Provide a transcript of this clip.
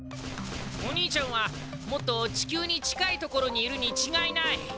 お兄ちゃんはもっと地球に近いところにいるにちがいない。